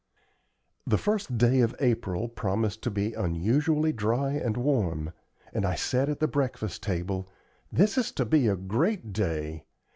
The first day of April promised to be unusually dry and warm, and I said at the breakfast table: "This is to be a great day.